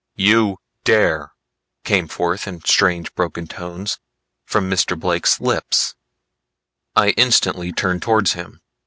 "You dare!" came forth in strange broken tones from Mr. Blake's lips. I instantly turned towards him.